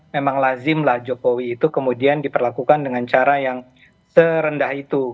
memang lazimlah jokowi itu kemudian diperlakukan dengan cara yang serendah itu